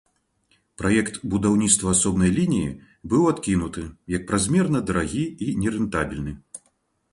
Праект будаўніцтва асобнай лініі быў адкінуты, як празмерна дарагі і нерэнтабельных.